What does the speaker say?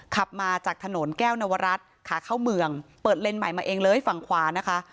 ขับมาจากถนนแก้วนวรัฐขาเข้าเมืองเปิดเลนส์ใหม่มาเองเลยฝั่งขวานะคะ